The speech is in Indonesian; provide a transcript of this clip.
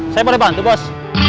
saya boleh bantu bos